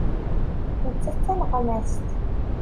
Nettat d taneɣmast.